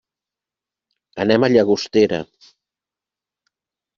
Anem a Llagostera.